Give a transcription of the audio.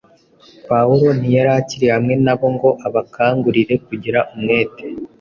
Pawulo ntiyari akiri hamwe na bo ngo abakangurire kugira umwete